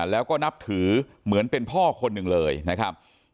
แล้วก็นับถือเหมือนเป็นพ่อคนหนึ่งเลยนะครับ